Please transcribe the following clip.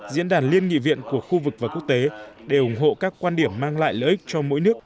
diễn đàn liên nghị viện của khu vực và quốc tế để ủng hộ các quan điểm mang lại lợi ích cho mỗi nước